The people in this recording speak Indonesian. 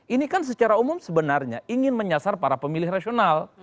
ini kan secara umum sebenarnya ingin menyasar para pemilih rasional